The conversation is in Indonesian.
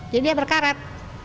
jadi dia berkarat